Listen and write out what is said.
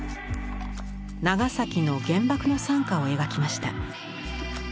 長崎の原爆の惨禍を描きました。